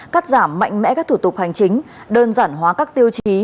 cắt giảm mạnh mẽ các thủ tục hành chính đơn giản hóa các tiêu chí